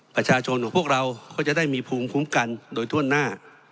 ประชาชนของพวกเราก็จะได้มีภูมิคุ้มกันโดยถ้วนหน้า